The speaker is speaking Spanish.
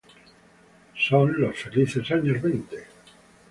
Son los felices años veinte.